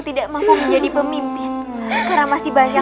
sampai sampai nih mas